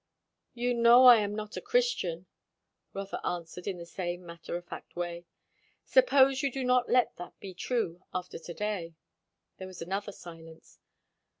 "You know I am not a Christian," Rotha answered in the same matter of fact way. "Suppose you do not let that be true after to day." There was another silence.